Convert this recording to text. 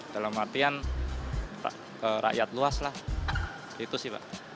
dalam artian rakyat luas lah gitu sih pak